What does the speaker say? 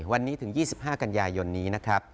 วันนี้ถึง๒๕กันยาย่อนนี้